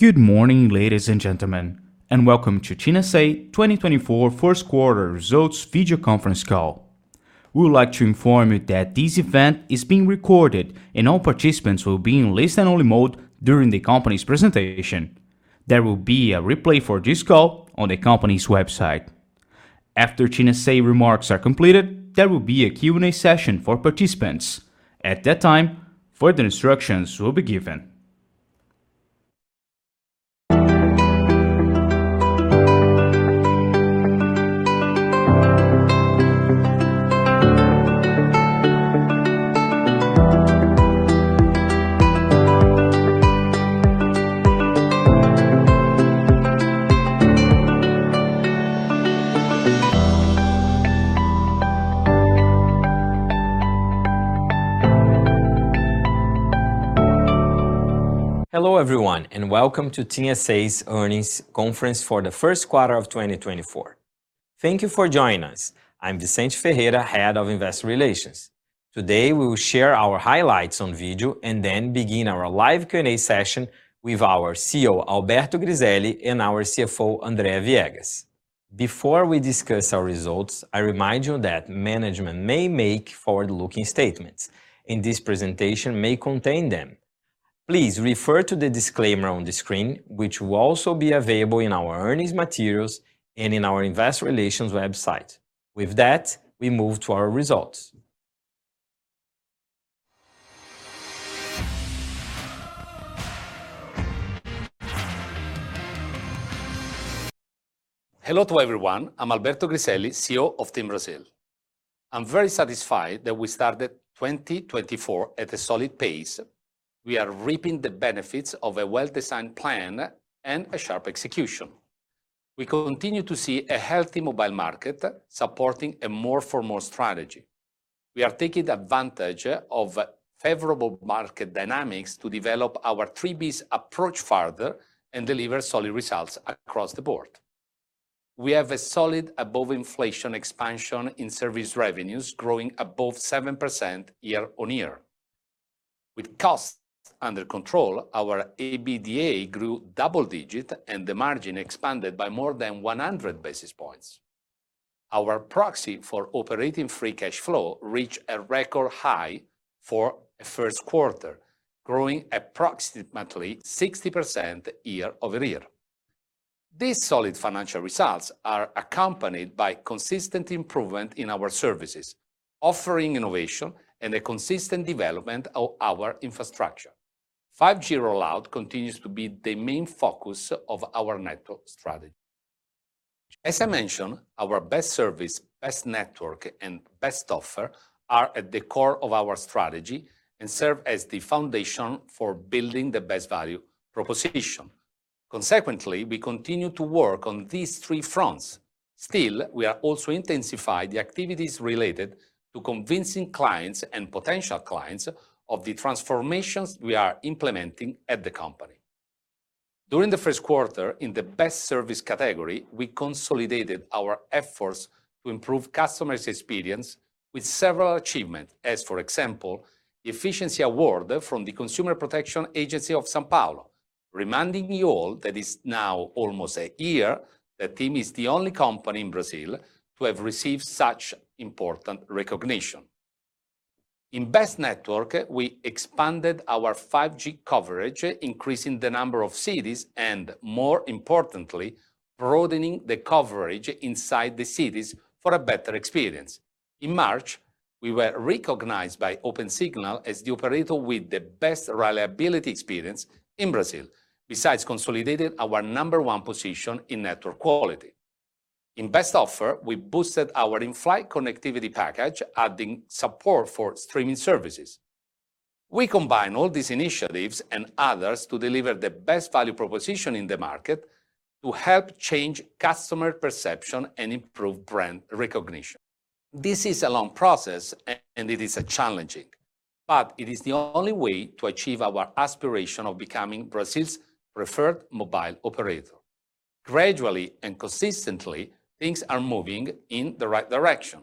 Good morning, ladies and gentlemen, and welcome to TIM S.A. 2024 first quarter results video conference call. We would like to inform you that this event is being recorded, and all participants will be in listen-only mode during the company's presentation. There will be a replay for this call on the company's website. After TIM S.A. remarks are completed, there will be a Q&A session for participants. At that time, further instructions will be given. Hello, everyone, and welcome to TIM S.A.'s earnings conference for the first quarter of 2024. Thank you for joining us. I'm Vicente Ferreira, Head of Investor Relations. Today, we will share our highlights on video and then begin our live Q&A session with our CEO, Alberto Griselli, and our CFO, Andrea Viegas. Before we discuss our results, I remind you that management may make forward-looking statements, and this presentation may contain them. Please refer to the disclaimer on the screen, which will also be available in our earnings materials and in our investor relations website. With that, we move to our results. Hello to everyone. I'm Alberto Griselli, CEO of TIM Brazil. I'm very satisfied that we started 2024 at a solid pace. We are reaping the benefits of a well-designed plan and a sharp execution. We continue to see a healthy mobile market supporting a more for more strategy. We are taking advantage of favorable market dynamics to develop our three Bs approach further and deliver solid results across the board. We have a solid above-inflation expansion in service revenues, growing above 7% year-on-year. With costs under control, our EBITDA grew double-digit, and the margin expanded by more than 100 basis points. Our proxy for operating free cash flow reached a record high for a first quarter, growing approximately 60% year-over-year. These solid financial results are accompanied by consistent improvement in our services, offering innovation and a consistent development of our infrastructure. 5G rollout continues to be the main focus of our network strategy. As I mentioned, our best service, best network, and best offer are at the core of our strategy and serve as the foundation for building the best value proposition. Consequently, we continue to work on these three fronts. Still, we are also intensify the activities related to convincing clients and potential clients of the transformations we are implementing at the company. During the first quarter, in the best service category, we consolidated our efforts to improve customers' experience with several achievements, as, for example, the efficiency award from the Consumer Protection Agency of São Paulo, reminding you all that it's now almost a year that TIM is the only company in Brazil to have received such important recognition. In Best Network, we expanded our 5G coverage, increasing the number of cities, and more importantly, broadening the coverage inside the cities for a better experience. In March, we were recognized by Opensignal as the operator with the best reliability experience in Brazil. Besides consolidating our number one position in network quality. In Best Offer, we boosted our in-flight connectivity package, adding support for streaming services. We combine all these initiatives and others to deliver the best value proposition in the market to help change customer perception and improve brand recognition. This is a long process, and it is challenging, but it is the only way to achieve our aspiration of becoming Brazil's preferred mobile operator. Gradually and consistently, things are moving in the right direction.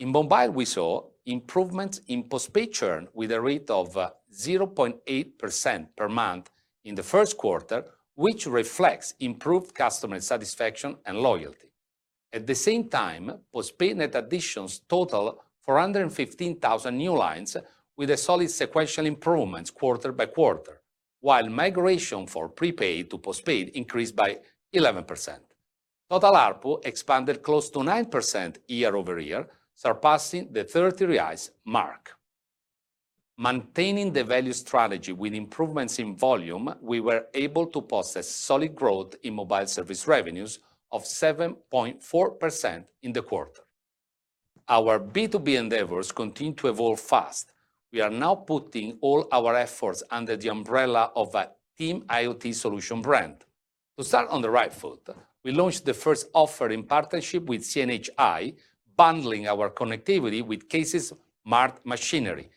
In mobile, we saw improvements in postpaid churn with a rate of 0.8% per month in the first quarter, which reflects improved customer satisfaction and loyalty. At the same time, postpaid net additions total 415,000 new lines with a solid sequential improvements quarter by quarter, while migration for prepaid to postpaid increased by 11%. Total ARPU expanded close to 9% year-over-year, surpassing the 30 reais mark. Maintaining the value strategy with improvements in volume, we were able to process solid growth in mobile service revenues of 7.4% in the quarter. Our B2B endeavors continue to evolve fast. We are now putting all our efforts under the umbrella of a TIM IoT solution brand. To start on the right foot, we launched the first offer in partnership with CNH Industrial, bundling our connectivity with Case Smart Machinery.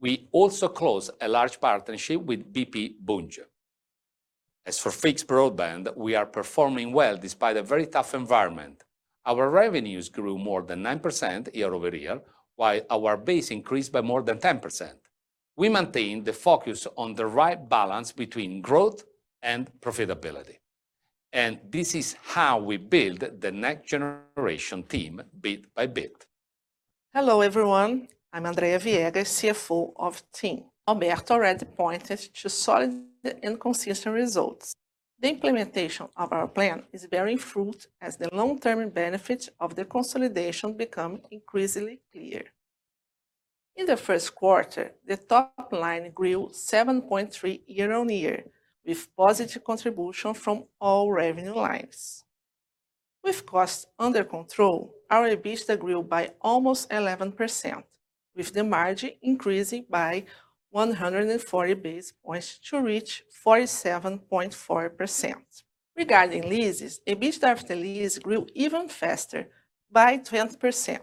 We also closed a large partnership with BP Bunge. As for fixed broadband, we are performing well despite a very tough environment. Our revenues grew more than 9% year-over-year, while our base increased by more than 10%. We maintained the focus on the right balance between growth and profitability, and this is how we build the next generation TIM bit by bit. Hello, everyone. I'm Andrea Viegas, CFO of TIM. Alberto already pointed to solid and consistent results. The implementation of our plan is bearing fruit as the long-term benefits of the consolidation become increasingly clear. In the first quarter, the top line grew 7.3% year-on-year, with positive contribution from all revenue lines. With costs under control, our EBITDA grew by almost 11%, with the margin increasing by 140 basis points to reach 47.4%. Regarding leases, EBITDA after leases grew even faster, by 20%,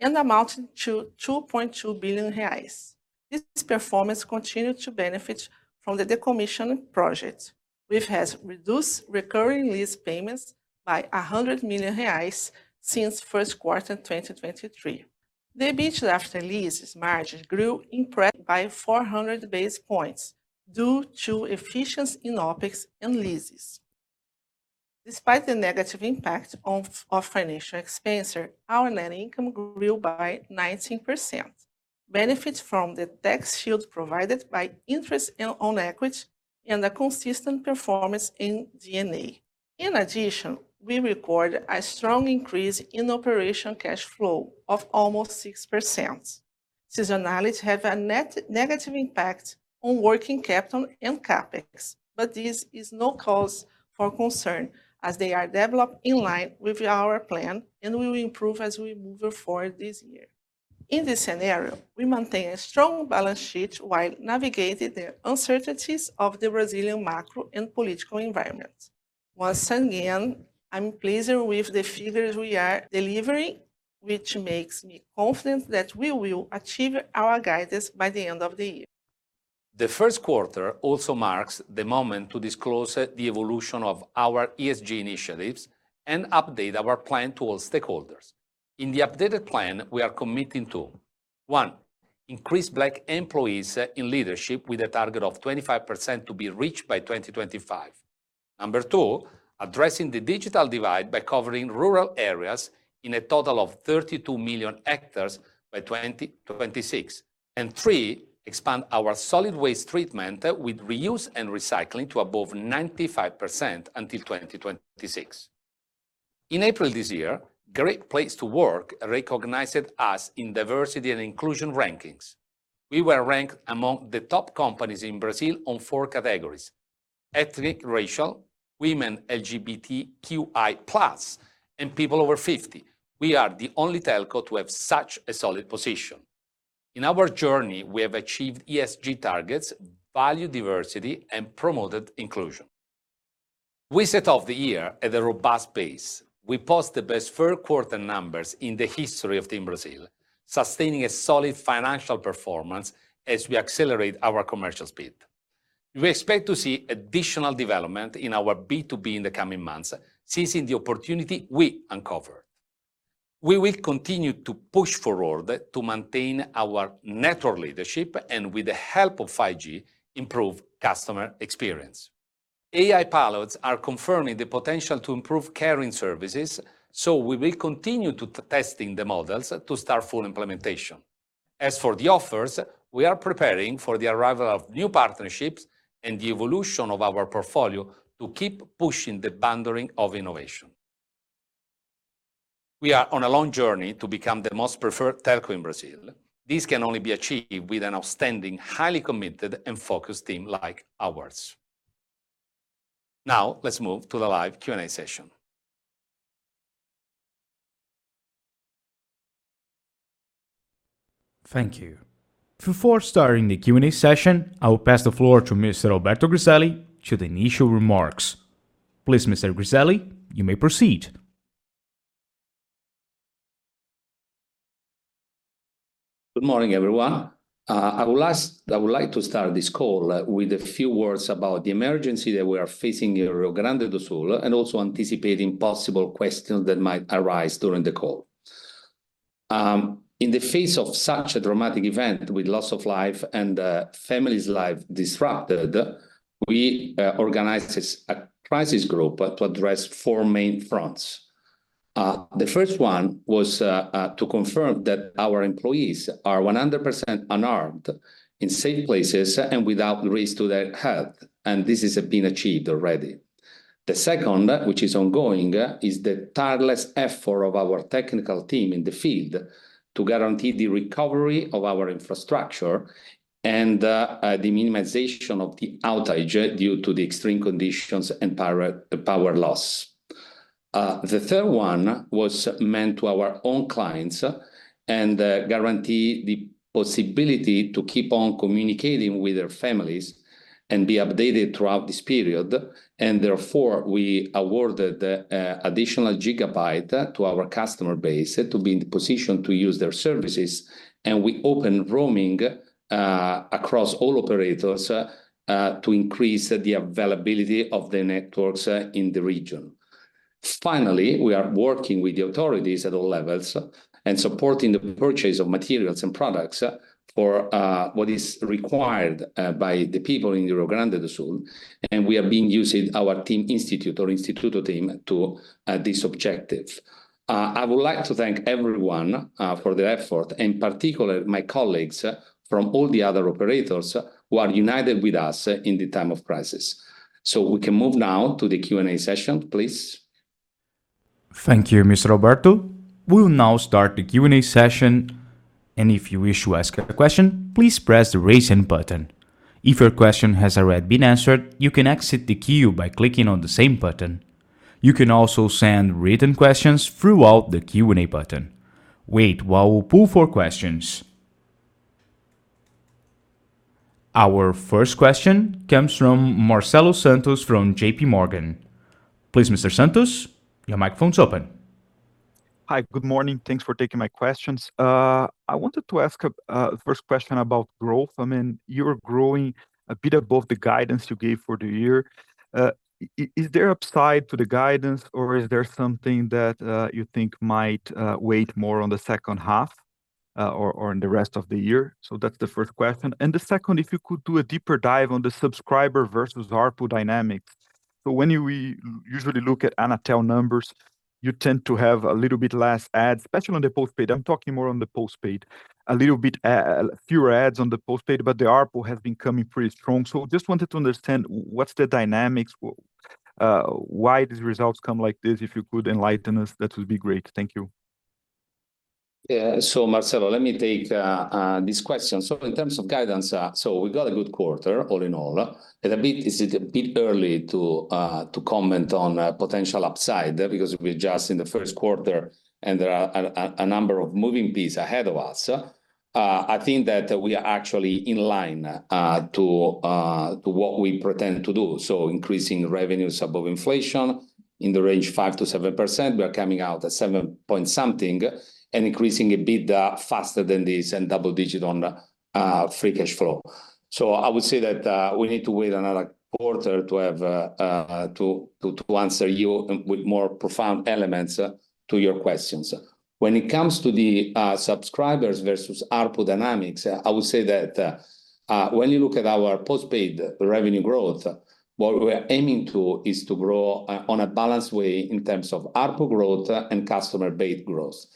and amounting to 2.2 billion reais. This performance continued to benefit from the decommission project, which has reduced recurring lease payments by 100 million reais since first quarter 2023. The EBITDA after leases margin grew impressively by 400 basis points due to efficiency in OpEx and leases. Despite the negative impact of financial expense, our net income grew by 19%, benefit from the tax shield provided by interest and on equity, and a consistent performance in D&A. In addition, we record a strong increase in operating cash flow of almost 6%. Seasonality have a net negative impact on working capital and CapEx, but this is no cause for concern, as they are developed in line with our plan, and will improve as we move forward this year. In this scenario, we maintain a strong balance sheet while navigating the uncertainties of the Brazilian macro and political environment. Once again, I'm pleased with the figures we are delivering, which makes me confident that we will achieve our guidance by the end of the year. The first quarter also marks the moment to disclose the evolution of our ESG initiatives and update our plan to all stakeholders. In the updated plan, we are committing to, 1, increase Black employees in leadership with a target of 25% to be reached by 2025. Number 2, addressing the digital divide by covering rural areas in a total of 32 million hectares by 2026. And 3, expand our solid waste treatment with reuse and recycling to above 95% until 2026. In April this year, Great Place to Work recognized us in diversity and inclusion rankings. We were ranked among the top companies in Brazil on 4 categories: ethnic, racial, women, LGBTQI+, and people over fifty. We are the only telco to have such a solid position. In our journey, we have achieved ESG targets, value diversity, and promoted inclusion. We set off the year at a robust pace. We post the best first quarter numbers in the history of TIM Brazil, sustaining a solid financial performance as we accelerate our commercial speed. We expect to see additional development in our B2B in the coming months, seizing the opportunity we uncovered. We will continue to push forward to maintain our network leadership, and with the help of 5G, improve customer experience. AI pilots are confirming the potential to improve caring services, so we will continue to testing the models to start full implementation. As for the offers, we are preparing for the arrival of new partnerships and the evolution of our portfolio to keep pushing the boundary of innovation. We are on a long journey to become the most preferred telco in Brazil. This can only be achieved with an outstanding, highly committed, and focused team like ours. Now, let's move to the live Q&A session. Thank you. Before starting the Q&A session, I will pass the floor to Mr. Alberto Griselli to the initial remarks. Please, Mr. Griselli, you may proceed. Good morning, everyone. I would like to start this call with a few words about the emergency that we are facing in Rio Grande do Sul, and also anticipating possible questions that might arise during the call. In the face of such a dramatic event, with loss of life and families' life disrupted, we organized a crisis group to address four main fronts. The first one was to confirm that our employees are 100% unharmed, in safe places, and without risk to their health, and this has been achieved already. The second, which is ongoing, is the tireless effort of our technical team in the field to guarantee the recovery of our infrastructure and the minimization of the outage due to the extreme conditions and power, power loss. The third one was meant to our own clients, and guarantee the possibility to keep on communicating with their families and be updated throughout this period. Therefore, we awarded additional gigabyte to our customer base to be in the position to use their services, and we opened roaming across all operators to increase the availability of the networks in the region. Finally, we are working with the authorities at all levels and supporting the purchase of materials and products for what is required by the people in the Rio Grande do Sul, and we have been using our Instituto TIM, or Instituto TIM, to this objective. I would like to thank everyone for their effort, and particularly my colleagues from all the other operators who are united with us in the time of crisis. So we can move now to the Q&A session, please. Thank you, Mr. Alberto. We'll now start the Q&A session, and if you wish to ask a question, please press the Raise Hand button. If your question has already been answered, you can exit the queue by clicking on the same button. You can also send written questions throughout the Q&A button. Wait while we pull for questions. Our first question comes from Marcelo Santos from JP Morgan. Please, Mr. Santos, your microphone's open. Hi. Good morning. Thanks for taking my questions. I wanted to ask a first question about growth. I mean, you're growing a bit above the guidance you gave for the year. Is there upside to the guidance, or is there something that you think might weigh more on the second half, or in the rest of the year? So that's the first question. The second, if you could do a deeper dive on the subscriber versus ARPU dynamics. So when we usually look at Anatel numbers, you tend to have a little bit less adds, especially on the postpaid. I'm talking more on the postpaid. A little bit fewer adds on the postpaid, but the ARPU has been coming pretty strong. So just wanted to understand what's the dynamics, why these results come like this? If you could enlighten us, that would be great. Thank you. Yeah, so Marcelo, let me take this question. So in terms of guidance, so we got a good quarter all in all. It's a bit early to comment on a potential upside there, because we're just in the first quarter and there are a number of moving pieces ahead of us. I think that we are actually in line to what we pretend to do, so increasing revenues above inflation in the range 5%-7%. We are coming out at 7-point-something, and increasing a bit faster than this, and double-digit on the free cash flow. So I would say that we need to wait another quarter to answer you with more profound elements to your questions. When it comes to the subscribers versus ARPU dynamics, I would say that when you look at our postpaid revenue growth, what we are aiming to is to grow on a balanced way in terms of ARPU growth and customer base growth.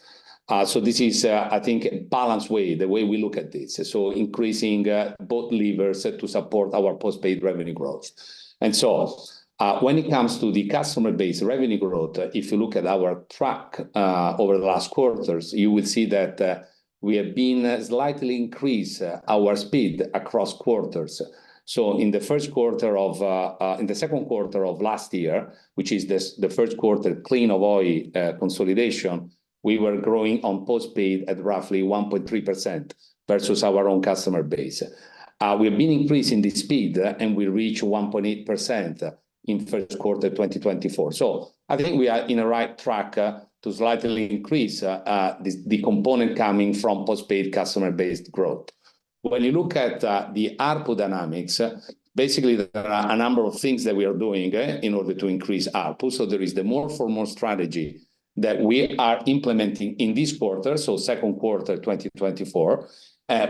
So this is, I think, a balanced way, the way we look at this. So increasing both levers to support our postpaid revenue growth. And so when it comes to the customer base revenue growth, if you look at our track over the last quarters, you will see that we have been slightly increase our speed across quarters. So in the first quarter of... In the second quarter of last year, which is this, the first quarter clean of Oi consolidation, we were growing on postpaid at roughly 1.3% versus our own customer base. We have been increasing the speed, and we reach 1.8% in first quarter 2024. So I think we are in the right track to slightly increase the component coming from postpaid customer base growth. When you look at the ARPU dynamics, basically there are a number of things that we are doing in order to increase ARPU. So there is the More for More strategy that we are implementing in this quarter, so second quarter 2024.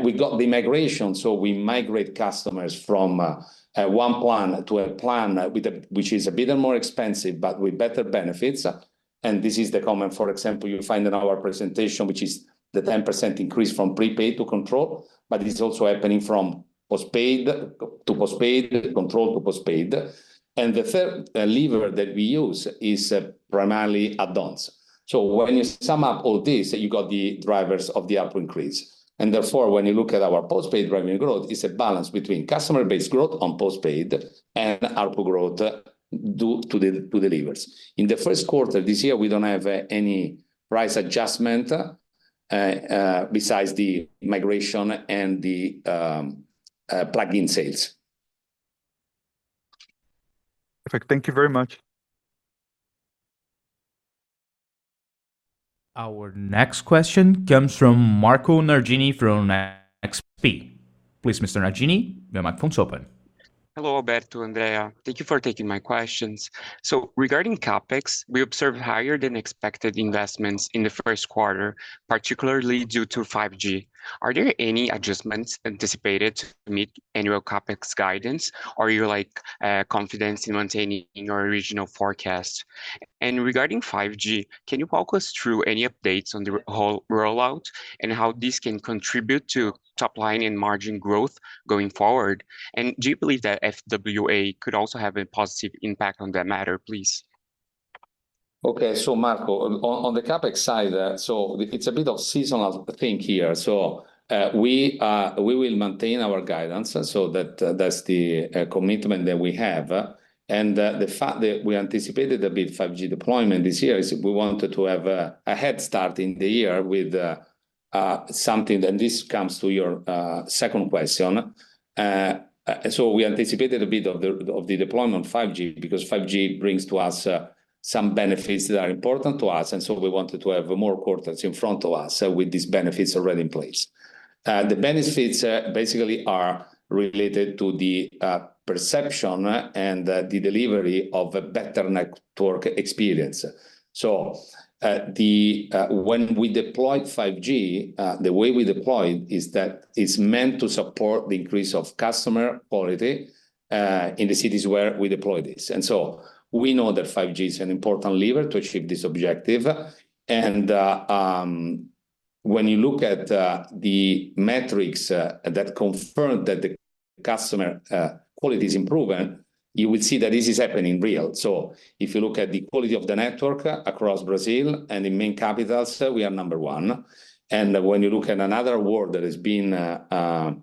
We got the migration, so we migrate customers from one plan to a plan with a which is a bit more expensive but with better benefits. And this is the comment, for example, you'll find in our presentation, which is the 10% increase from Prepaid to Control, but it is also happening from Postpaid to Postpaid, Control to Postpaid. And the third lever that we use is primarily add-ons. So when you sum up all this, you got the drivers of the ARPU increase. And therefore, when you look at our Postpaid revenue growth, it's a balance between customer base growth on Postpaid and ARPU growth due to the levers. In the first quarter this year, we don't have any price adjustment besides the migration and the plug-in sales. Perfect. Thank you very much. Our next question comes from Marco Nardini from XP. Please, Mr. Nardini, your microphone's open. Hello, Alberto, Andrea. Thank you for taking my questions. So regarding CapEx, we observed higher-than-expected investments in the first quarter, particularly due to 5G. Are there any adjustments anticipated to meet annual CapEx guidance, or are you, like, confident in maintaining your original forecast? And regarding 5G, can you walk us through any updates on the whole rollout and how this can contribute to top line and margin growth going forward? And do you believe that FWA could also have a positive impact on that matter, please? Okay, so Marco, on the CapEx side, so it's a bit of seasonal thing here. So, we will maintain our guidance, and so that's the commitment that we have. And, the fact that we anticipated a big 5G deployment this year is we wanted to have a head start in the year with something, and this comes to your second question. So we anticipated a bit of the deployment 5G, because 5G brings to us some benefits that are important to us, and so we wanted to have more quarters in front of us, so with these benefits already in place. The benefits basically are related to the perception and the delivery of a better network experience. So, when we deployed 5G, the way we deployed is that it's meant to support the increase of customer quality in the cities where we deploy this. And so we know that 5G is an important lever to achieve this objective. And, when you look at the metrics that confirm that the customer quality is improving, you will see that this is happening real. So if you look at the quality of the network across Brazil and in main capitals, we are number one. And when you look at another award, that has been the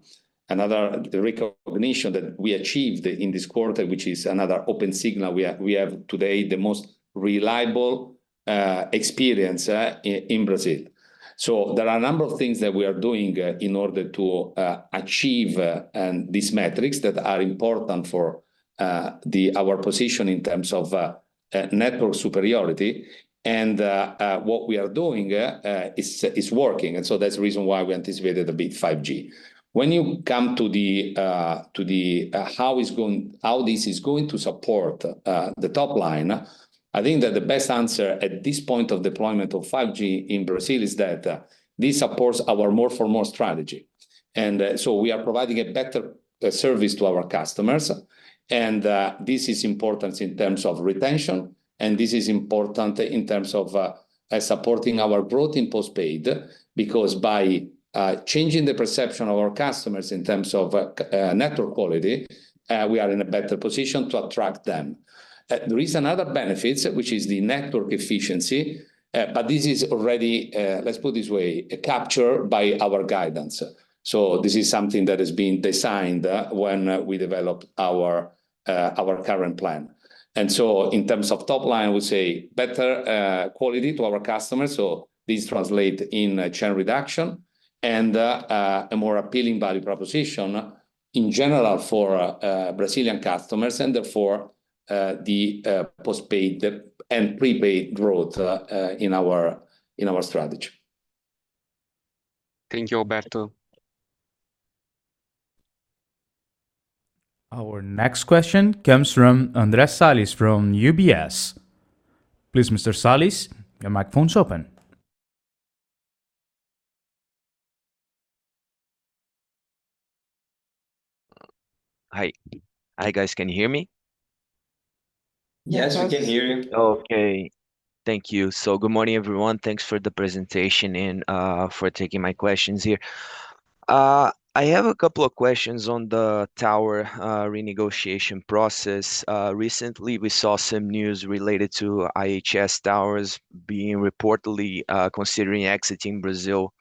recognition that we achieved in this quarter, which is another Opensignal, we have, we have today the most reliable experience in Brazil. So there are a number of things that we are doing in order to achieve these metrics that are important for our position in terms of network superiority. And what we are doing is working, and so that's the reason why we anticipated a big 5G. When you come to how it's going... how this is going to support the top line, I think that the best answer at this point of deployment of 5G in Brazil is that this supports our more for more strategy. And so we are providing a better service to our customers, and this is important in terms of retention, and this is important in terms of supporting our growth in postpaid. Because by changing the perception of our customers in terms of network quality, we are in a better position to attract them. There is another benefits, which is the network efficiency, but this is already, let's put this way, captured by our guidance. So this is something that has been designed when we developed our current plan. And so in terms of top line, I would say better quality to our customers, so this translate in churn reduction and a more appealing value proposition in general for Brazilian customers, and therefore the postpaid and prepaid growth in our strategy. Thank you, Alberto. Our next question comes from André Salles from UBS. Please, Mr. Salles, your microphone is open. Hi. Hi, guys, can you hear me? Yes, we can hear you. Okay. Thank you. Good morning, everyone. Thanks for the presentation and for taking my questions here. I have a couple of questions on the tower renegotiation process. Recently, we saw some news related to IHS Towers being reportedly considering exiting Brazil.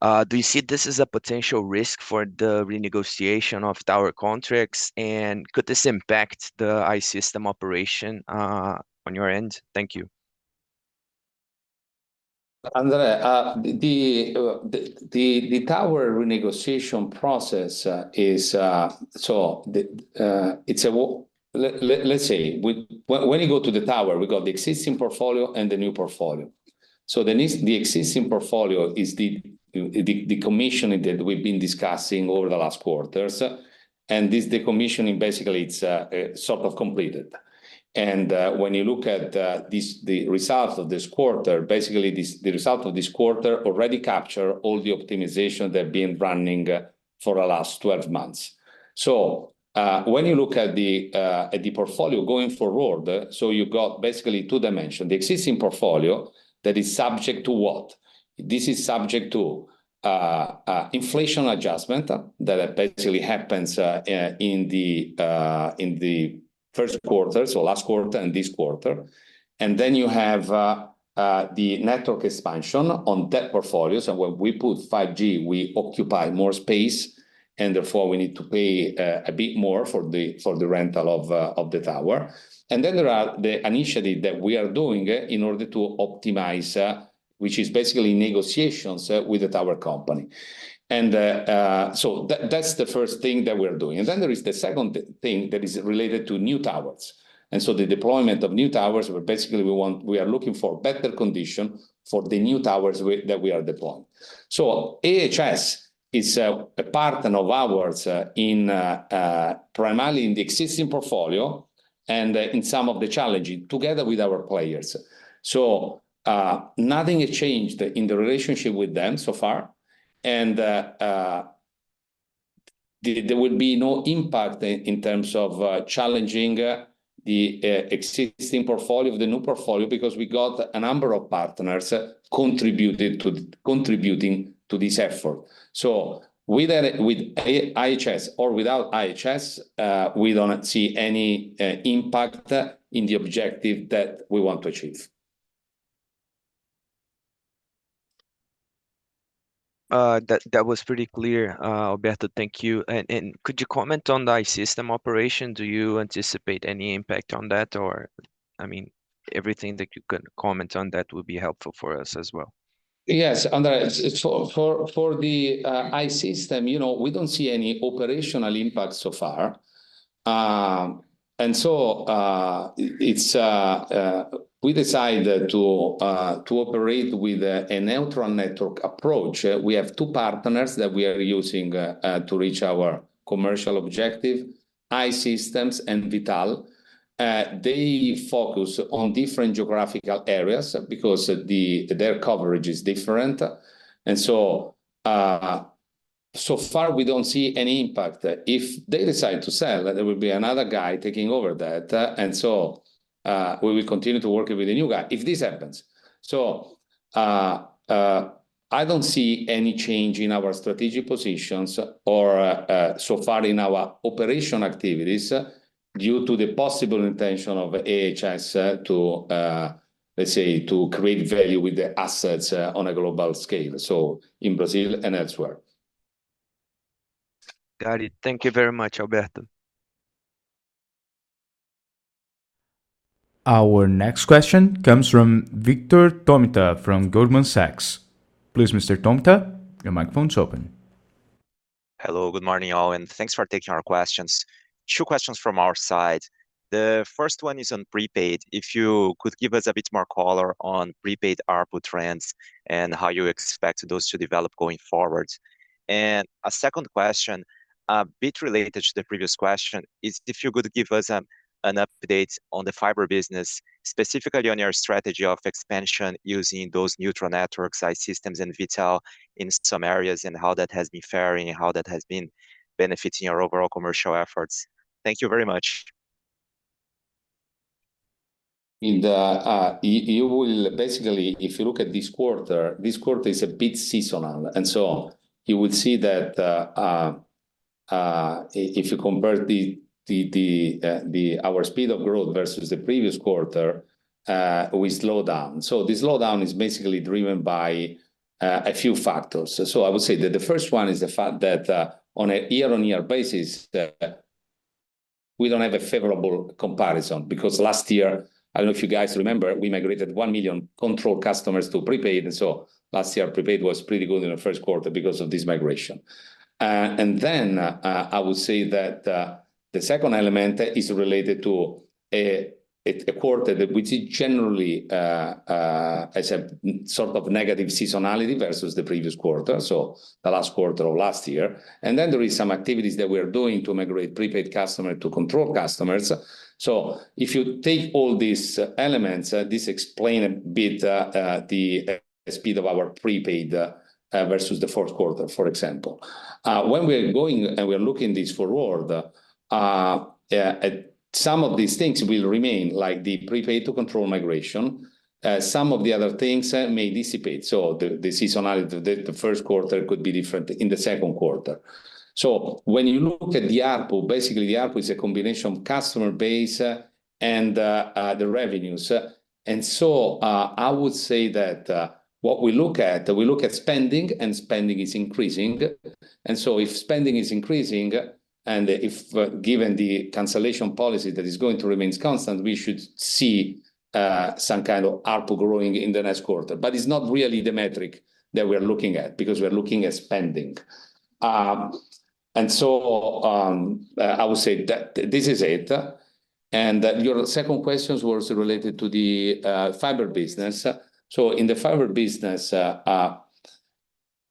Do you see this as a potential risk for the renegotiation of tower contracts? And could this impact the I-Systems operation on your end? Thank you. André, the tower renegotiation process is... So it's a let's say, when you go to the tower, we got the existing portfolio and the new portfolio. So the existing portfolio is the commissioning that we've been discussing over the last quarters. And this decommissioning, basically, it's sort of completed. And when you look at the results of this quarter, basically, the result of this quarter already capture all the optimization that have been running for the last 12 months. So when you look at the portfolio going forward, so you got basically two dimensions. The existing portfolio that is subject to what? This is subject to inflation adjustment that basically happens in the first quarter, so last quarter and this quarter. And then you have the network expansion on that portfolio. So when we put 5G, we occupy more space, and therefore, we need to pay a bit more for the rental of the tower. And then there are the initiative that we are doing in order to optimize, which is basically negotiations with the tower company. And so that's the first thing that we're doing. And then there is the second thing that is related to new towers. And so the deployment of new towers, where basically we are looking for better condition for the new towers that we are deploying. So IHS is a partner of ours primarily in the existing portfolio and in some of the challenges, together with our players. So nothing has changed in the relationship with them so far, and there will be no impact in terms of challenging the existing portfolio, the new portfolio, because we got a number of partners contributing to this effort. So whether with IHS or without IHS, we don't see any impact in the objective that we want to achieve. That was pretty clear, Alberto. Thank you. And could you comment on the I-Systems operation? Do you anticipate any impact on that, or... I mean, everything that you can comment on that would be helpful for us as well.... Yes, André, it's for the I-Systems, you know, we don't see any operational impact so far. And so, we decided to operate with a neutral network approach. We have two partners that we are using to reach our commercial objective, I-Systems and V.tal. They focus on different geographical areas because their coverage is different. And so, so far we don't see any impact, that if they decide to sell, there will be another guy taking over that. And so, we will continue to work with the new guy if this happens. I don't see any change in our strategic positions or, so far in our operational activities, due to the possible intention of IHS to, let's say, to create value with the assets, on a global scale, so in Brazil and elsewhere. Got it. Thank you very much, Alberto. Our next question comes from Vitor Tomita from Goldman Sachs. Please, Mr. Tomita, your microphone's open. Hello, good morning, all, and thanks for taking our questions. Two questions from our side. The first one is on prepaid. If you could give us a bit more color on prepaid ARPU trends and how you expect those to develop going forward? And a second question, a bit related to the previous question, is if you could give us an update on the fiber business, specifically on your strategy of expansion using those neutral networks, I-Systems and V.tal, in some areas, and how that has been faring and how that has been benefiting your overall commercial efforts? Thank you very much. You will basically, if you look at this quarter, this quarter is a bit seasonal, and so you would see that if you convert our speed of growth versus the previous quarter, we slow down. So the slowdown is basically driven by a few factors. So I would say that the first one is the fact that on a year-on-year basis we don't have a favorable comparison. Because last year, I don't know if you guys remember, we migrated 1 million Control customers to Prepaid, and so last year, Prepaid was pretty good in the first quarter because of this migration. And then, I would say that, the second element is related to a quarter that we see generally, as a sort of negative seasonality versus the previous quarter, so the last quarter of last year. And then there is some activities that we are doing to migrate prepaid customer to Control customers. So if you take all these elements, this explain a bit, the speed of our prepaid, versus the fourth quarter, for example. When we're going and we're looking this forward, some of these things will remain, like the prepaid to Control migration. Some of the other things, may dissipate, so the seasonality, the first quarter could be different in the second quarter. So when you look at the ARPU, basically the ARPU is a combination of customer base and the revenues. And so I would say that what we look at, we look at spending, and spending is increasing. And so if spending is increasing and if, given the cancellation policy that is going to remain constant, we should see some kind of ARPU growing in the next quarter. But it's not really the metric that we're looking at, because we're looking at spending. And so I would say that this is it. And your second question was related to the fiber business. So in the fiber business,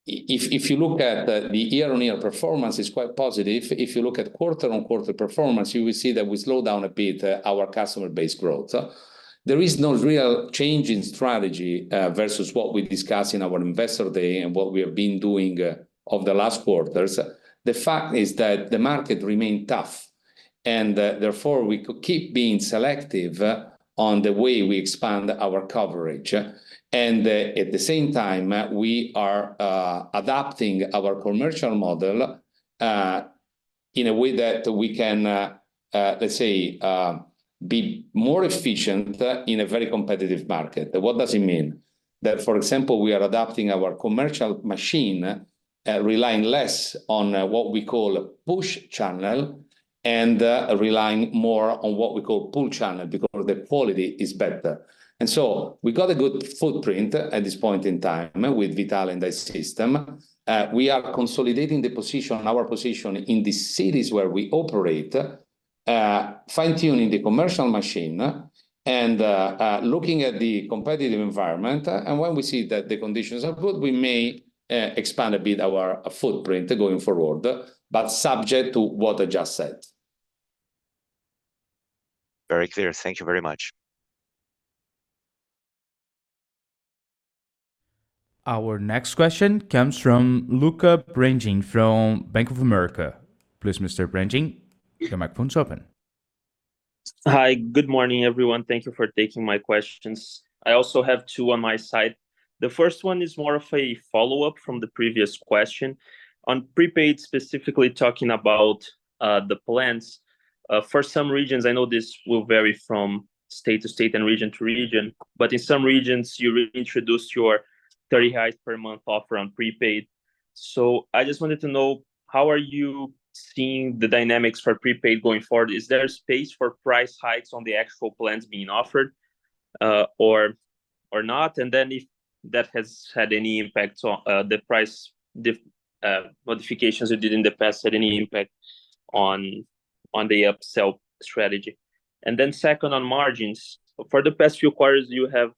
if you look at the year-on-year performance is quite positive. If you look at quarter-on-quarter performance, you will see that we slowed down a bit our customer base growth. There is no real change in strategy versus what we discussed in our investor day and what we have been doing over the last quarters. The fact is that the market remained tough, and therefore, we keep being selective on the way we expand our coverage. At the same time, we are adapting our commercial model in a way that we can, let's say, be more efficient in a very competitive market. What does it mean? That, for example, we are adapting our commercial machine, relying less on what we call a push channel, and relying more on what we call pull channel, because the quality is better. And so we got a good footprint at this point in time with V.tal and I-Systems. We are consolidating the position, our position in the cities where we operate, fine-tuning the commercial machine, and looking at the competitive environment. And when we see that the conditions are good, we may expand a bit our footprint going forward, but subject to what I just said. Very clear. Thank you very much. Our next question comes from Lucca Brendim from Bank of America. Please, Mr. Bordin, your microphone's open. Hi. Good morning, everyone. Thank you for taking my questions. I also have two on my side. The first one is more of a follow-up from the previous question. On prepaid, specifically talking about the plans for some regions, I know this will vary from state to state and region to region, but in some regions you introduced your 30 gigs per month offer on prepaid. So I just wanted to know, how are you seeing the dynamics for prepaid going forward? Is there a space for price hikes on the actual plans being offered, or not? And then if that has had any impact on the price, the modifications you did in the past, had any impact on the upsell strategy? And then second, on margins. For the past few quarters, you have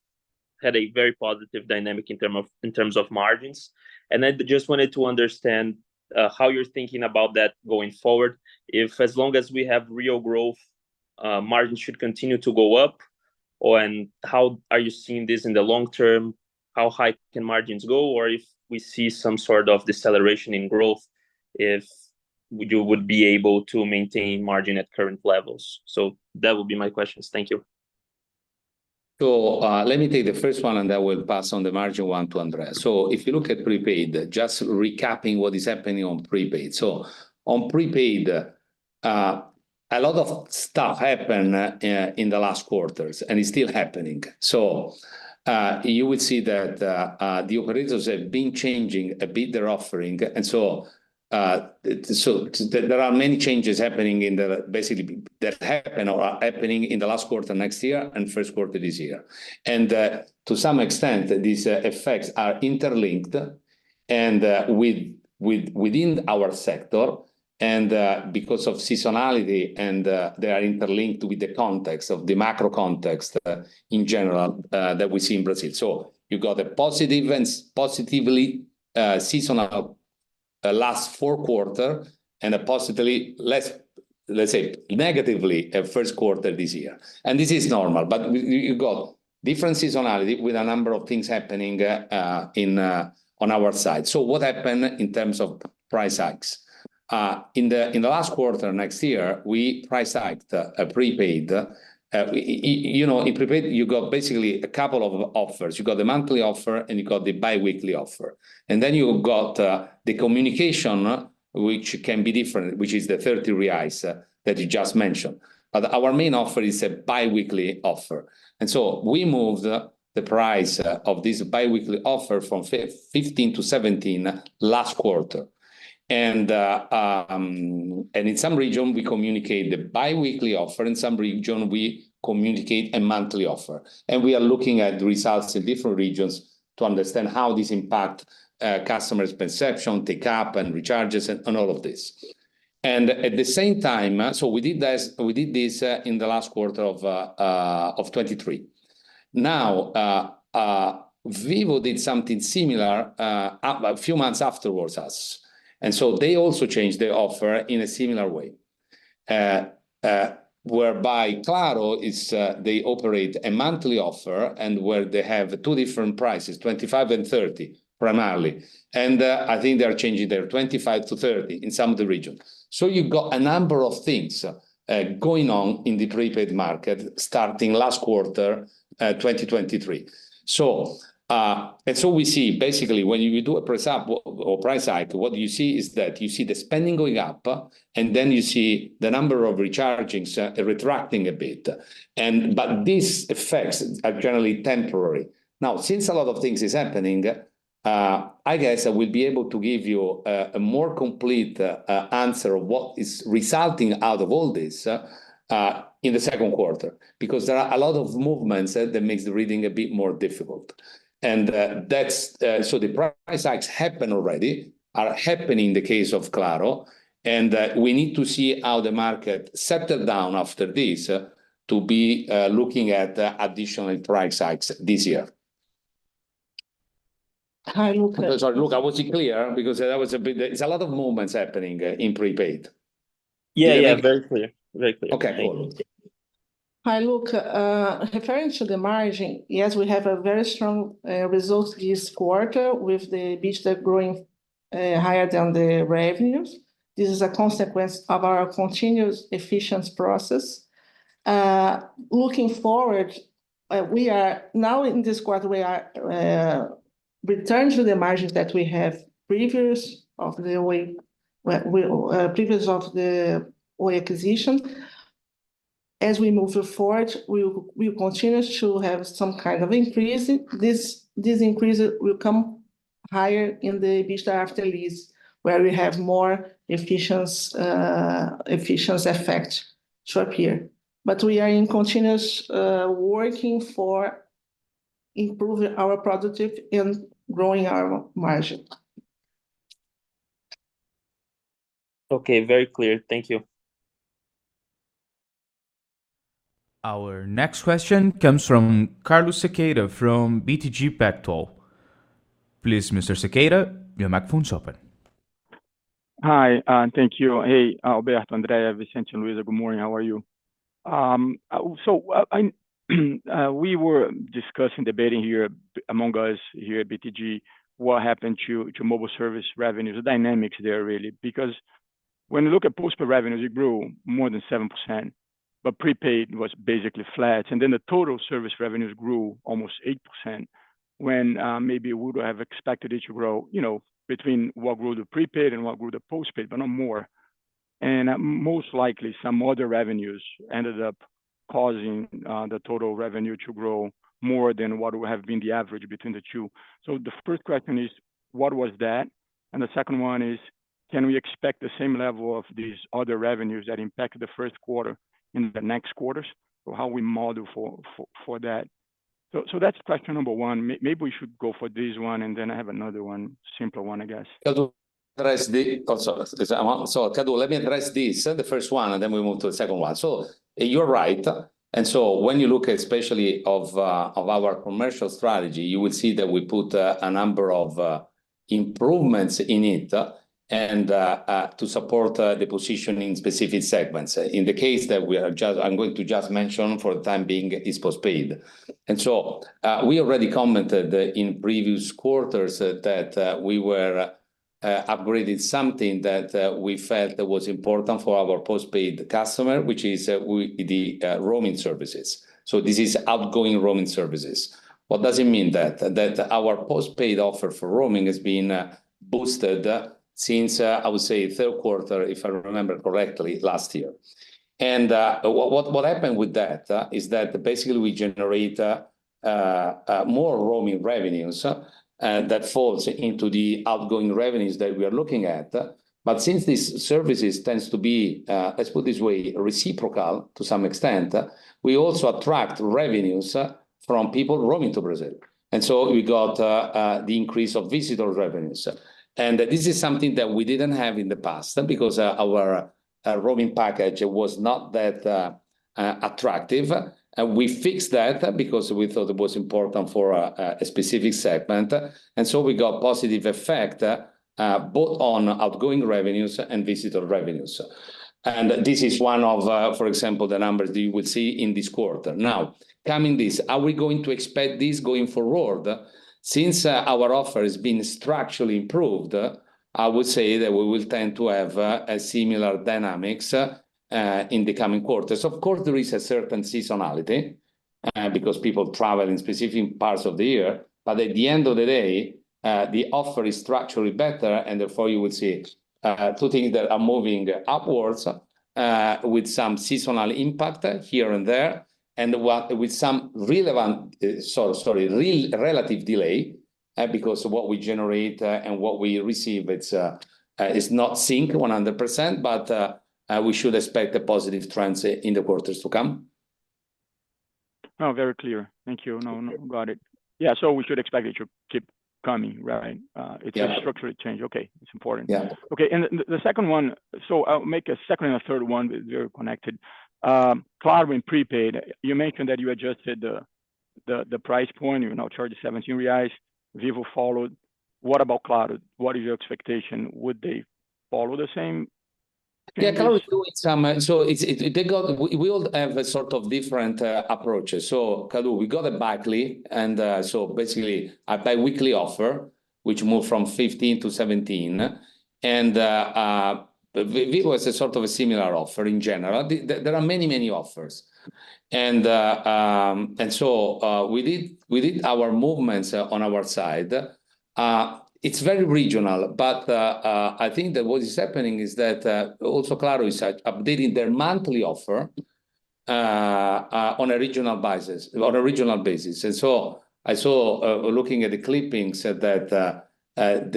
had a very positive dynamic in terms of margins, and I just wanted to understand how you're thinking about that going forward. If as long as we have real growth, margins should continue to go up, or... And how are you seeing this in the long term? How high can margins go? Or if we see some sort of deceleration in growth, if you would be able to maintain margin at current levels. So that would be my questions. Thank you. So, let me take the first one, and then we'll pass on the margin one to Andrea. So if you look at prepaid, just recapping what is happening on prepaid. So on prepaid, a lot of stuff happened in the last quarters, and it's still happening. So, you would see that, the operators have been changing a bit their offering. And so, there are many changes happening in the... basically, that happened or are happening in the last quarter, next year, and first quarter this year. And, to some extent, these effects are interlinked and, within our sector, and, because of seasonality, and, they are interlinked with the context of the macro context, in general, that we see in Brazil. So you've got a positive and positively seasonal last four quarters, and a positively less, let's say, negatively first quarter this year. This is normal, but you got different seasonality with a number of things happening in on our side. So what happened in terms of price hikes? In the last quarter next year, we price hiked prepaid. You know, in prepaid, you got basically a couple of offers. You got the monthly offer, and you got the bi-weekly offer, and then you got the communication, which can be different, which is the R$30 that you just mentioned. But our main offer is a bi-weekly offer, and so we moved the price of this bi-weekly offer from 15 to 17 last quarter. In some region, we communicate the bi-weekly offer. In some region, we communicate a monthly offer. We are looking at the results in different regions to understand how this impact customers' perception, take-up, and recharges, and all of this. At the same time, so we did this, we did this, in the last quarter of 2023. Now, Vivo did something similar, a few months after us, and so they also changed their offer in a similar way. Whereby Claro, they operate a monthly offer, and where they have two different prices, 25 and 30, primarily. I think they are changing their 25 to 30 in some of the regions. So you've got a number of things going on in the prepaid market, starting last quarter, 2023. So, and so we see basically when you do a price up or price hike, what you see is that you see the spending going up, and then you see the number of rechargings retracting a bit. And but these effects are generally temporary. Now, since a lot of things is happening, I guess I will be able to give you a more complete answer of what is resulting out of all this in the second quarter. Because there are a lot of movements that makes the reading a bit more difficult. And, that's... The price hikes happen already, are happening in the case of Claro, and we need to see how the market settle down after this, to be looking at additional price hikes this year. Hi, look- Sorry, look, was it clear? Because there was a bit, there's a lot of movements happening in prepaid. Yeah, yeah. Yeah. Very clear. Very clear. Okay, cool. Thank you. Hi, look, referring to the margin, yes, we have a very strong results this quarter with the EBITDA growing higher than the revenues. This is a consequence of our continuous efficiency process. Looking forward, we are now in this quarter, we are returned to the margins that we have previous of the Oi acquisition. As we move forward, we will, we will continue to have some kind of increase. This, this increase will come higher in the EBITDA after lease, where we have more efficiency efficiency effect to appear. But we are in continuous working for improving our productive and growing our margin. Okay, very clear. Thank you. Our next question comes from Carlos Sequeira from BTG Pactual. Please, Mr. Sequeira, your microphone is open. Hi, thank you. Hey, Alberto, Andrea, Vicente, Luiza, good morning. How are you? So, we were discussing, debating here, among us here at BTG, what happened to mobile service revenues, the dynamics there, really. Because when you look at post-paid revenues, it grew more than 7%, but prepaid was basically flat. And then the total service revenues grew almost 8%, when maybe we would have expected it to grow, you know, between what grew the prepaid and what grew the post-paid, but not more... and most likely some other revenues ended up causing the total revenue to grow more than what would have been the average between the two. So the first question is, what was that? And the second one is, can we expect the same level of these other revenues that impacted the first quarter in the next quarters, or how we model for that? So that's question number one. Maybe we should go for this one, and then I have another one, simpler one, I guess. Kadu, let me address this, the first one, and then we move to the second one. So you're right. And so when you look especially of our commercial strategy, you will see that we put a number of improvements in it and to support the position in specific segments. In the case that we are just- I'm going to just mention for the time being, is postpaid. And so we already commented in previous quarters that we were upgrading something that we felt was important for our postpaid customer, which is the roaming services. So this is outgoing roaming services. What does it mean that? That our postpaid offer for roaming has been boosted since I would say third quarter, if I remember correctly, last year. What happened with that is that basically we generate more roaming revenues and that falls into the outgoing revenues that we are looking at. But since these services tends to be, let's put this way, reciprocal to some extent, we also attract revenues from people roaming to Brazil. So we got the increase of visitor revenues. This is something that we didn't have in the past because our roaming package was not that attractive. We fixed that because we thought it was important for a specific segment. So we got positive effect both on outgoing revenues and visitor revenues. This is one of the, for example, the numbers that you would see in this quarter. Now, coming this, are we going to expect this going forward? Since our offer has been structurally improved, I would say that we will tend to have a similar dynamics in the coming quarters. Of course, there is a certain seasonality because people travel in specific parts of the year, but at the end of the day, the offer is structurally better, and therefore you will see two things that are moving upwards with some seasonal impact here and there, and with some relevant real relative delay because of what we generate and what we receive. It's not sync 100%, but we should expect a positive trend in the quarters to come. Oh, very clear. Thank you. No, no, got it. Yeah, so we should expect it to keep coming, right? Yeah... it's a structural change. Okay, it's important. Yeah. Okay, and, and the second one, so I'll make a second and a third one, they're connected. Claro in prepaid, you mentioned that you adjusted the price point. You now charge 17 reais. Vivo followed. What about Claro? What is your expectation? Would they follow the same payment? Yeah, Claro is doing some. So it's, they got we all have a sort of different approaches. So Kadu, we got a bi-weekly, and so basically a bi-weekly offer, which moved from 15-17. And Vivo has a sort of a similar offer in general. There are many, many offers. And so we did our movements on our side. It's very regional, but I think that what is happening is that also Claro is updating their monthly offer on a regional basis, on a regional basis. And so I saw, looking at the clippings, that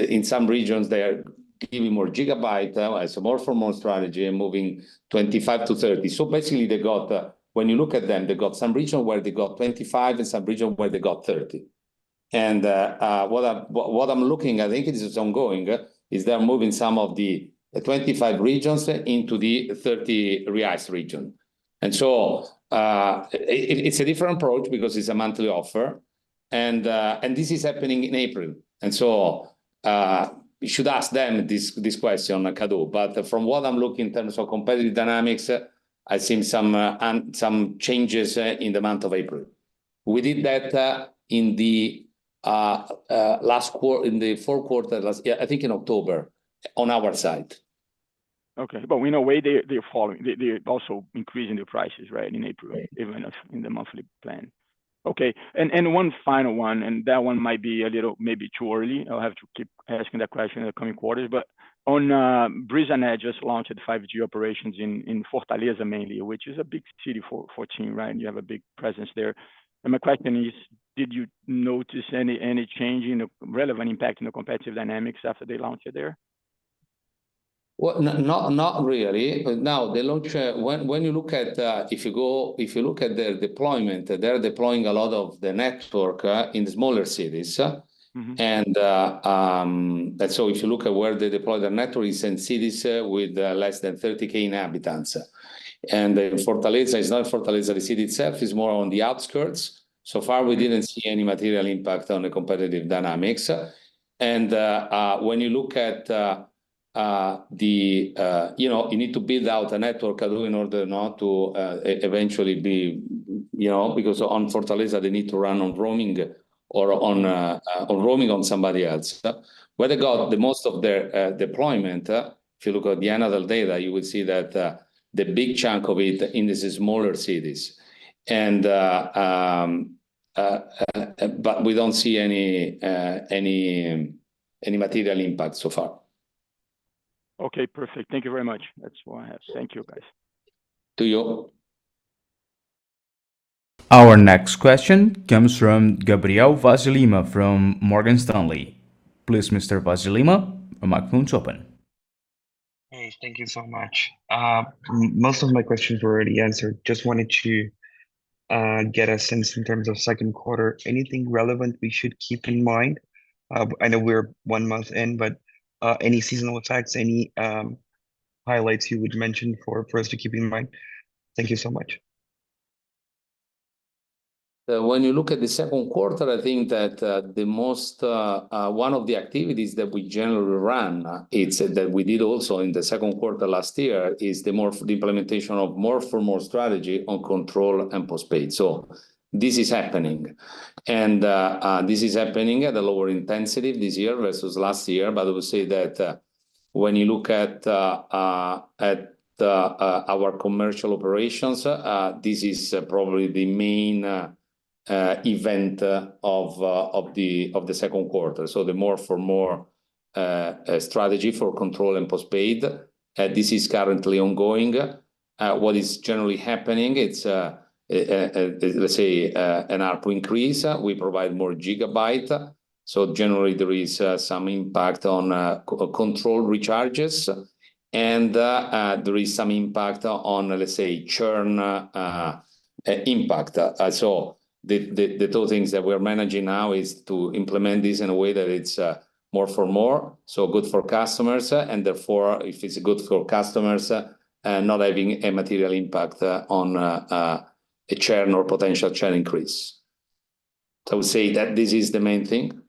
in some regions they are giving more gigabyte, so more for more strategy and moving 25-30. So basically they got, when you look at them, they got some region where they got 25 BRL and some region where they got 30 BRL. And, what I'm looking at, I think this is ongoing, is they're moving some of the 25 BRL regions into the 30 reais region. And so, it's a different approach because it's a monthly offer, and this is happening in April. And so, you should ask them this question, Kadu. But from what I'm looking in terms of competitive dynamics, I've seen some changes in the month of April. We did that in the last quarter, in the fourth quarter. Yeah, I think in October, on our side. Okay. But in a way, they, they're following. They, they're also increasing the prices, right, in April- Yeah... even as in the monthly plan. Okay, and one final one, and that one might be a little maybe too early. I'll have to keep asking that question in the coming quarters. But on, Brisanet just launched its 5G operations in Fortaleza mainly, which is a big city for TIM, right? You have a big presence there. And my question is, did you notice any change in the relevant impact in the competitive dynamics after they launched it there? Well, not, not, not really. Now, the launch, when, when you look at, if you look at their deployment, they're deploying a lot of the network in the smaller cities. Mm-hmm. If you look at where they deploy their networks, it's in cities with less than 30,000 inhabitants. And Fortaleza, it's not Fortaleza, the city itself, is more on the outskirts. So far, we didn't see any material impact on the competitive dynamics. When you look at, you know, you need to build out a network, Kadu, in order not to eventually be, you know, because on Fortaleza, they need to run on roaming or on roaming on somebody else. Where they got the most of their deployment, if you look at the end of the day, that you would see that the big chunk of it in the smaller cities. But we don't see any material impact so far. Okay, perfect. Thank you very much. That's all I have. Thank you, guys. To you. Our next question comes from Gabriel Vaz de Lima from Morgan Stanley. Please, Mr. Vaz de Lima, your microphone's open. Hey, thank you so much. Most of my questions were already answered. Just wanted to get a sense in terms of second quarter, anything relevant we should keep in mind? I know we're one month in, but any seasonal effects, any highlights you would mention for us to keep in mind? Thank you so much. When you look at the second quarter, I think that the most one of the activities that we generally run, it's that we did also in the second quarter last year, is the implementation of more for more strategy on control and postpaid. So this is happening, and this is happening at a lower intensity this year versus last year. But I would say that when you look at our commercial operations, this is probably the main event of the second quarter. So the more for more strategy for control and postpaid, this is currently ongoing. What is generally happening, it's let's say an ARPU increase. We provide more gigabytes, so generally there is some impact on control recharges, and there is some impact on, let's say, churn impact. So the two things that we're managing now is to implement this in a way that it's more for more, so good for customers, and therefore, if it's good for customers, not having a material impact on a churn or potential churn increase. So I would say that this is the main thing.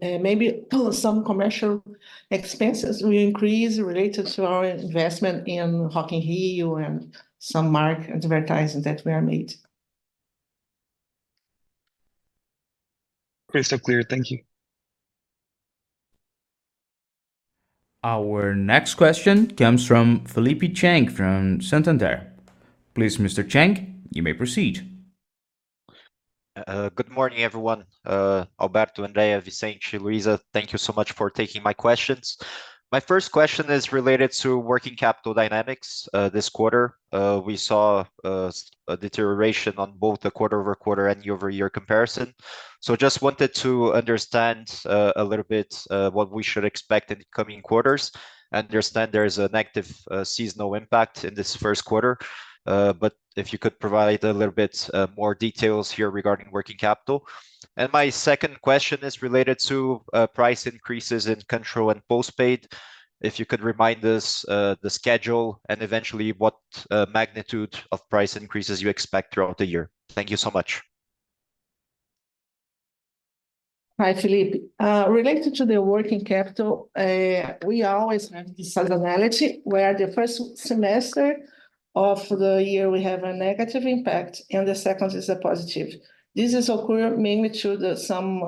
Maybe some commercial expenses will increase related to our investment in Rock in Rio and some market advertising that we are made. Crystal clear. Thank you. Our next question comes from Felipe Cheng, from Santander. Please, Mr. Cheng, you may proceed. Good morning, everyone. Alberto, Andrea, Vicente, Luisa, thank you so much for taking my questions. My first question is related to working capital dynamics. This quarter, we saw a deterioration on both the quarter-over-quarter and year-over-year comparison. So just wanted to understand a little bit what we should expect in the coming quarters. Understand there is a negative seasonal impact in this first quarter, but if you could provide a little bit more details here regarding working capital. And my second question is related to price increases in control and postpaid. If you could remind us the schedule and eventually what magnitude of price increases you expect throughout the year. Thank you so much. Hi, Felipe. Related to the working capital, we always have this seasonality, where the first semester of the year we have a negative impact, and the second is a positive. This is occurring mainly to the some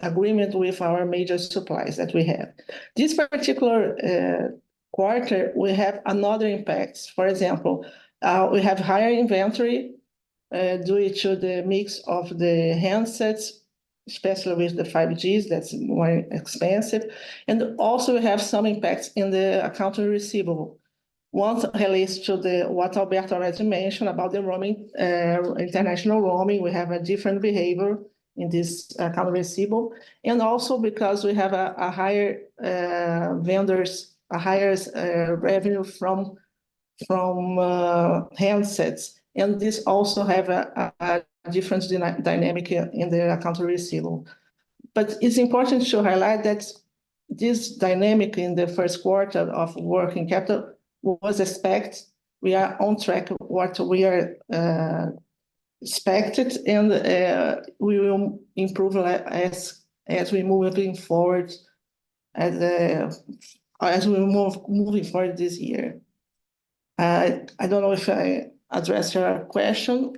agreement with our major suppliers that we have. This particular quarter, we have another impacts. For example, we have higher inventory due to the mix of the handsets, especially with the 5G. That's more expensive. And also have some impacts in the accounts receivable. One relates to the, what Alberto already mentioned about the roaming, international roaming. We have a different behavior in this account receivable, and also because we have a higher vendors, a higher revenue from handsets, and this also have a different dynamic in the accounts receivable. It's important to highlight that this dynamic in the first quarter of working capital was expected. We are on track, what we expected, and we will improve as we move forward this year. I don't know if I addressed your question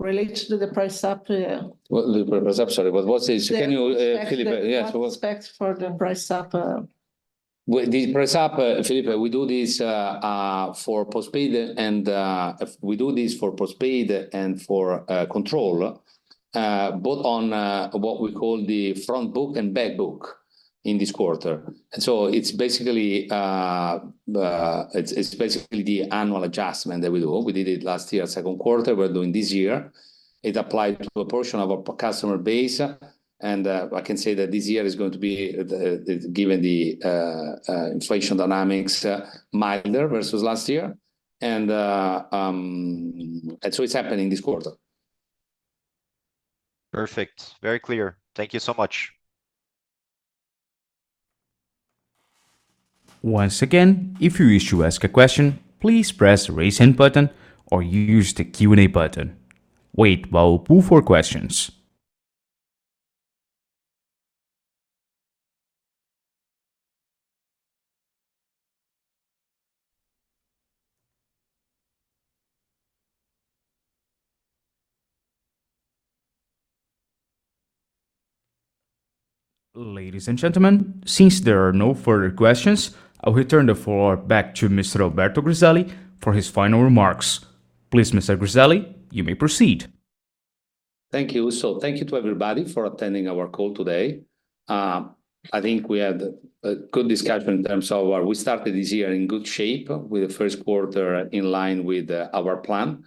related to the price up. Well, the price up. Sorry, but what is... Can you, Felipe, yeah- The aspects for the price up. With the price up, Felipe, we do this for postpaid, and we do this for postpaid and for control, both on what we call the front book and back book in this quarter. So it's basically the annual adjustment that we do. We did it last year, second quarter. We're doing this year. It applied to a portion of our customer base, and I can say that this year is going to be given the inflation dynamics milder versus last year. So it's happening this quarter. Perfect. Very clear. Thank you so much. Once again, if you wish to ask a question, please press the Raise Hand button or you use the Q&A button. Wait while we pull for questions. Ladies and gentlemen, since there are no further questions, I will return the floor back to Mr. Alberto Griselli for his final remarks. Please, Mr. Griselli, you may proceed. Thank you. So thank you to everybody for attending our call today. I think we had a good discussion in terms of where we started this year in good shape, with the first quarter in line with our plan.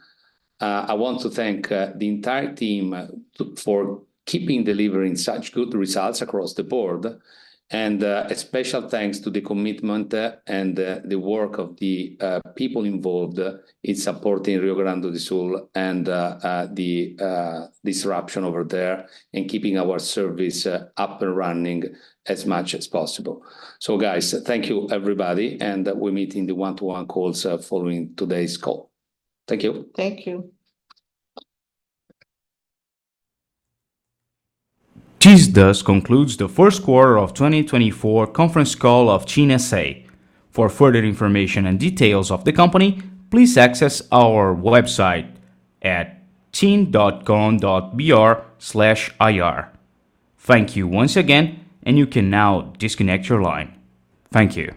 I want to thank the entire team for keeping delivering such good results across the board. A special thanks to the commitment and the work of the people involved in supporting Rio Grande do Sul and the disruption over there, and keeping our service up and running as much as possible. So guys, thank you, everybody, and we meet in the one-to-one calls following today's call. Thank you. Thank you. This thus concludes the first quarter of 2024 conference call of TIM S.A. For further information and details of the company, please access our website at tim.com.br/ir. Thank you once again, and you can now disconnect your line. Thank you.